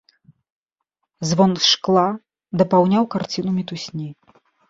Звон шкла дапаўняў карціну мітусні.